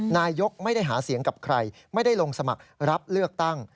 นายกไม่ได้หาเสียงกับใครไม่ได้ลงสมัครรับเลือกตั้ง